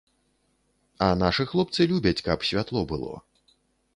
А нашы хлопцы любяць, каб святло было.